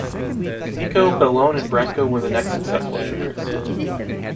Zico, Bellone and Branco were the next successful shooters.